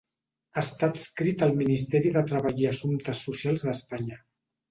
Està adscrit al Ministeri de Treball i Assumptes Socials d'Espanya.